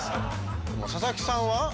佐々木さんは？